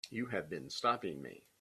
You have been stopping me.